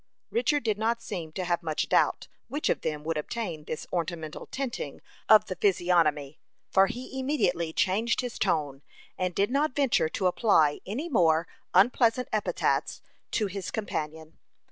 Richard did not seem to have much doubt which of them would obtain this ornamental tinting of the physiognomy, for he immediately changed his tone, and did not venture to apply any more unpleasant epithets to his companion.